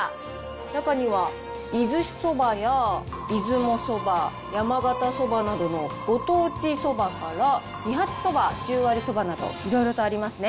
中には、出石そばや出雲そば、山形そばなどのご当地そばから、二八そば、十割そばなど、いろいろとありますね。